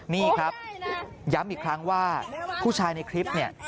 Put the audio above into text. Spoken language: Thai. นี่ครับย้ำอีกครั้งว่าผู้ชายในคลิปเนี่ย